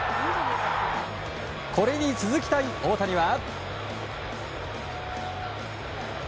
これに続きたい大谷は。